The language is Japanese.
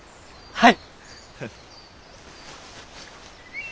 はい！